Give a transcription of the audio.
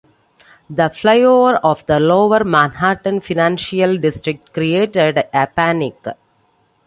The fly-over of the lower Manhattan financial district created a panic.